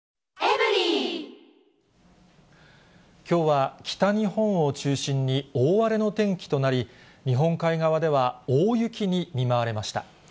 きょうは北日本を中心に、大荒れの天気となり、日本海側では大雪に見舞われました。